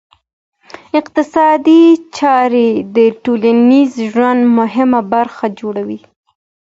اقتصادي چاري د ټولنیز ژوند مهمه برخه جوړوي.